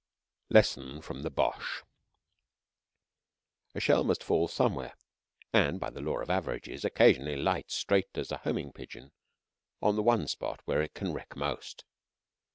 LESSON FROM THE "BOCHE" A shell must fall somewhere, and by the law of averages occasionally lights straight as a homing pigeon on the one spot where it can wreck most.